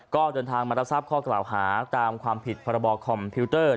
ก็เดินทางมารับทราบข้อกล่าวหาตามความผิดพรบคอมพิวเตอร์